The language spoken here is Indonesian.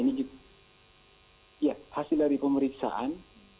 iya hasil dari pemeriksaan